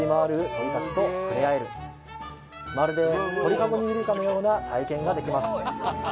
まるで鳥かごにいるかのような体験ができます